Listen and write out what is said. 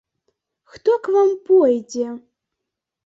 Хто к вам пойдзе!